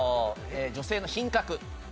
『女性の品格』。